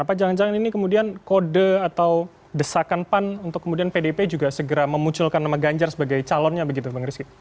apa jangan jangan ini kemudian kode atau desakan pan untuk kemudian pdp juga segera memunculkan nama ganjar sebagai calonnya begitu bang rizky